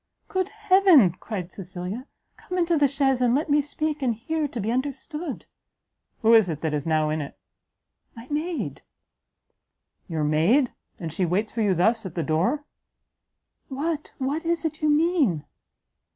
"Good heaven!" cried Cecilia, "come into the chaise, and let me speak and hear to be understood!" "Who is that now in it?" "My Maid." "Your maid? and she waits for you thus at the door?" "What, what is it you mean?"